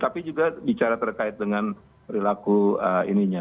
tapi juga bicara terkait dengan perilaku ininya